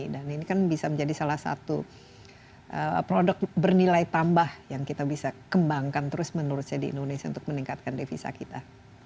dan ini kan bisa menjadi salah satu produk bernilai tambah yang kita bisa kembangkan terus menurut saya di indonesia untuk meningkatkan devisa kita